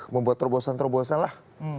membuat terobosan terobosan lah